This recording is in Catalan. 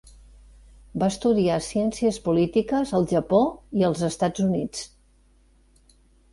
Va estudiar Ciències Polítiques al Japó i als Estats Units.